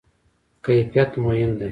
کیفیت مهم دی